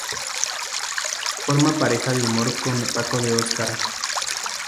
Forma pareja de humor con Paco de Óscar.